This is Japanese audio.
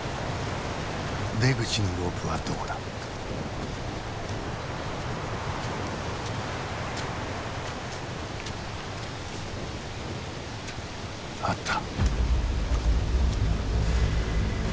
出口のロープはどこだ？あった。